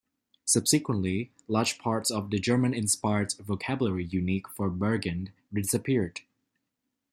Subsequently, large parts of the German-inspired vocabulary unique for Bergen disappeared.